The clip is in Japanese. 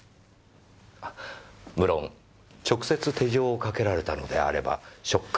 あ無論直接手錠をかけられたのであれば触覚